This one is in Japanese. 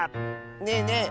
ねえねえ！